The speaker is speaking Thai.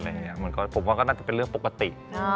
ผมก็ผมว่าก็น่าจะเป็นเรื่องปกติ